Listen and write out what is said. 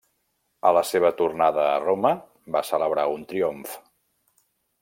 A la seva tornada a Roma va celebrar un triomf.